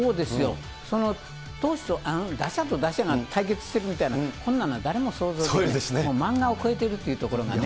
打者と打者が対決してるみたいな、こんなのは誰も想像できない、漫画を超えているところがね。